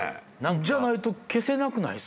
じゃないと消せなくない？